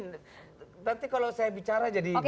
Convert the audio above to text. nanti kalau saya bicara jadi